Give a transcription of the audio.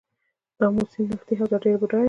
د امو سیند نفتي حوزه ډیره بډایه ده.